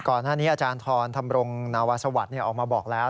ก่อนหน้านี้อาจารย์ทรธรรมรงค์นวสวรรค์ออกมาบอกแล้ว